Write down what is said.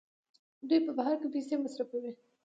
دوی په بهر کې پیسې مصرفوي.